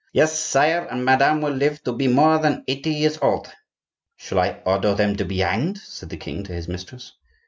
"Yes, sire; and madame will live to be more than eighty years old." "Shall I order them to be hanged?" said the king to his mistress.